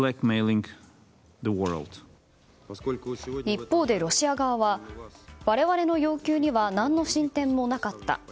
一方で、ロシア側は我々の要求には何の進展もなかった。